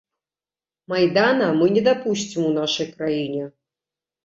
Майдана мы не дапусцім у нашай краіне!